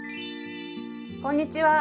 こんにちは。